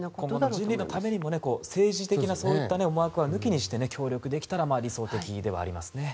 人類のために政治的な思惑は抜きにして協力できたら理想的ではありますね。